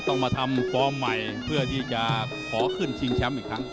ต้องมาทำฟอร์มใหม่เพื่อที่จะขอขึ้นชิงแชมป์อีกครั้ง